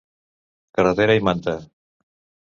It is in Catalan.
Carretera i manta.